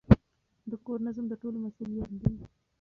د کور نظم د ټولو مسئولیت دی.